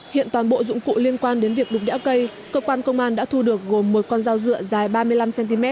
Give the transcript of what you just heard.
hiện toàn bộ dụng cụ liên quan đến việc đục đẽa cây cơ quan công an đã thu được gồm một con dao dựa dài ba mươi năm cm